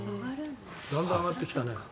だんだん上がってきたね。